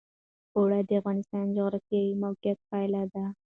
اوړي د افغانستان د جغرافیایي موقیعت پایله ده.